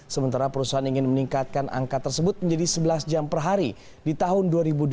sementara perusahaan ingin meningkatkan angka tersebut menjadi sebelas jam per hari di tahun dua ribu dua puluh dua